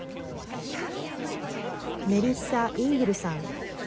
メリッサ・イングルさん。